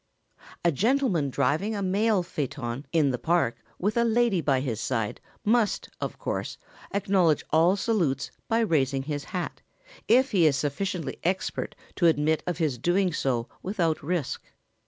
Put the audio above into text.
] A gentleman driving a mail phaeton in the Park with a lady by his side must, of course, acknowledge all salutes by raising his hat, if he is sufficiently expert to admit of his doing so without risk.